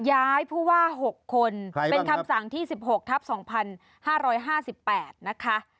ย้ายผู้ว่าหกคนใครบ้างครับเป็นคำสั่งที่สิบหกครับสองพันห้าร้อยห้าสิบแปดนะคะ